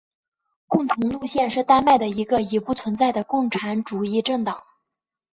共同路线是丹麦的一个已不存在的共产主义政党。